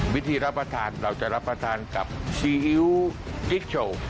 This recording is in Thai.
วิธีรับประทานเราจะรับประทานกับซีอิ๊วกิ๊กโชว์